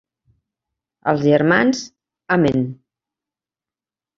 Els germans: Amén.